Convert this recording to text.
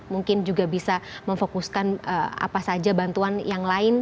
mungkin juga bisa memfokuskan apa saja bantuan yang lain